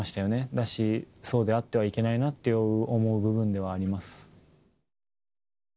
だし、そうであってはいけないなって思う部分ではあります。